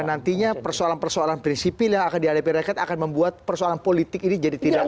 dan nantinya persoalan persoalan prinsipil yang akan diadapi rakyat akan membuat persoalan politik ini jadi tidak